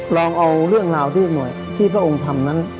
ลองเอาเรื่องราวที่หน่วยที่พระองค์ทำนั้น